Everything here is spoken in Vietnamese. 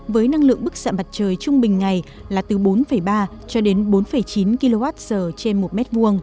với năng lượng bức xạ mặt trời trung bình ngày là từ bốn ba cho đến bốn chín kwh trên một m hai